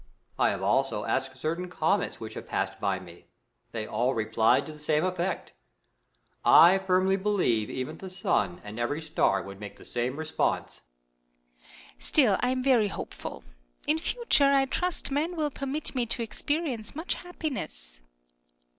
I have also asked certain comets which have passed by me ; they all replied to the same effect, I firmly believe even the sun and every star would make the same response. Earth. Still I am very hopeful. In future I trust men will permit me to experience much happiness.